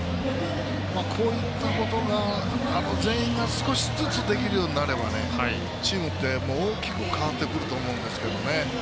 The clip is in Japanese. こういったことが全員が少しずつできるようになればチームって大きく変わってくると思うんですけどね。